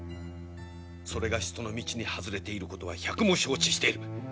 それが人の道に外れていることは百も承知している。